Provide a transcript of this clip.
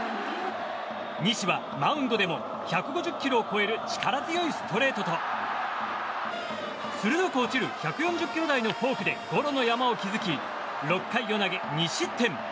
西はマウンドでも１５０キロを超える力強いストレートと鋭く落ちる１４０キロ台のフォークでゴロの山を築き６回を投げ２失点。